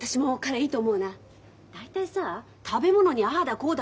大体さ食べ物にああだこうだ